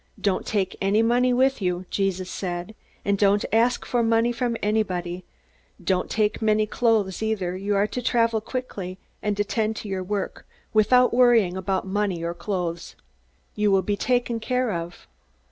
"Don't take any money with you," Jesus said, "and don't ask for money from anybody. Don't take many clothes, either; you are to travel quickly, and attend to your work, without worrying about money or clothes. You will be taken care of."